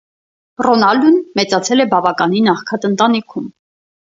Ռոնալդուն մեծացել է բավականին աղքատ ընտանիքում։